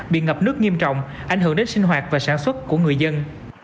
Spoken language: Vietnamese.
bị ngập nước nghiêm trọng ảnh hưởng đến sinh hoạt và sản xuất của người dân